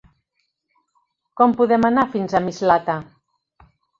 Com podem anar fins a Mislata?